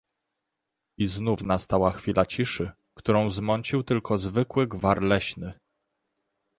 "I znów nastała chwila ciszy, którą mącił tylko zwykły gwar leśny."